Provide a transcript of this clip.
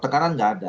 tekanan tidak ada